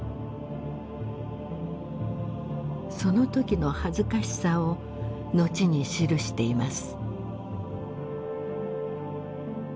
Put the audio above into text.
その時の恥ずかしさを後に記しています。